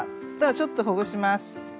そしたらちょっとほぐします。